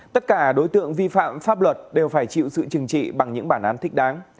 tất cả đối tượng vi phạm pháp luật đều phải chịu sự chừng trị bằng những bản án thích đáng